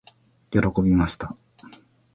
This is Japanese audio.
喜びました。